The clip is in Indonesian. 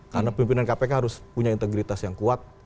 karena pimpinan kpk harus punya integritas yang kuat